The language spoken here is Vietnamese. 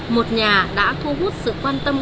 một nhà đã thu hút sự quan tâm